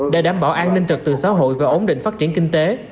để đảm bảo an ninh trật tự xã hội và ổn định phát triển kinh tế